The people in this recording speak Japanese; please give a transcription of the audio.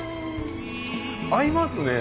合いますね。